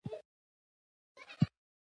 • د بخار ماشین د اور څخه راوړل شو.